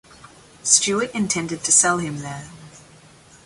Stewart intended to sell him there.